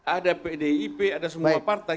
ada pdip ada semua partai